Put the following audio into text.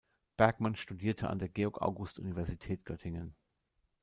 Bergmann studierte an der Georg-August-Universität Göttingen.